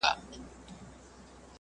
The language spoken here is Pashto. د وړې خبرې لویول هېڅکله په کار نه دي.